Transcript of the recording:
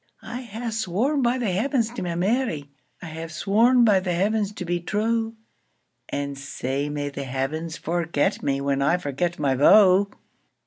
I hae sworn by the Heavens to my Mary,I hae sworn by the Heavens to be true; And sae may the Heavens forget me, When I forget my vow!